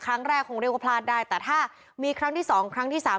ครั้งแรกคงเรียกว่าพลาดได้แต่ถ้ามีครั้งที่สองครั้งที่สาม